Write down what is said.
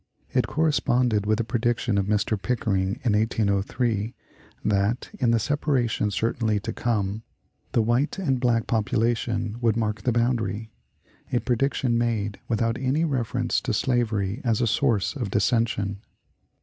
It corresponded with the prediction of Mr. Pickering, in 1803, that, in the separation certainly to come, "the white and black population would mark the boundary" a prediction made without any reference to slavery as a source of dissension.